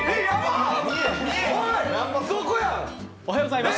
おはようございます